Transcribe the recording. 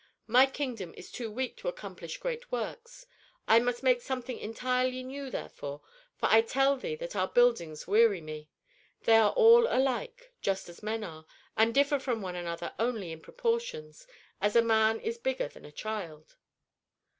My kingdom is too weak to accomplish great works. I must make something entirely new, therefore, for I tell thee that our buildings weary me. They are all alike, just as men are, and differ from one another only in proportions, as a man is bigger than a child."